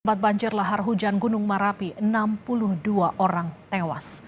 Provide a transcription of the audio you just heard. akibat banjir lahar hujan gunung merapi enam puluh dua orang tewas